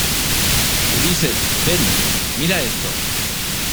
Ulises, ven. mira esto .